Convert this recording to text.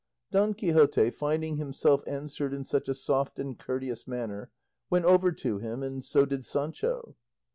Don Quixote, finding himself answered in such a soft and courteous manner, went over to him, and so did Sancho.